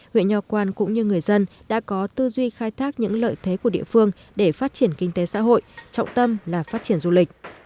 huyện nho quan cũng như người dân đã có tư duy khai thác những lợi thế của địa phương để phát triển kinh tế xã hội trọng tâm là phát triển du lịch